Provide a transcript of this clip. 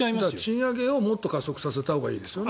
賃上げをもっと加速させたほうがいいですよね。